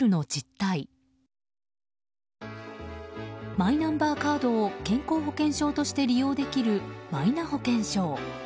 マイナンバーカードを健康保険証として利用できるマイナ保険証。